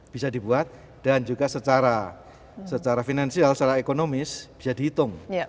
bisa dibuat dan juga secara finansial secara ekonomis bisa dihitung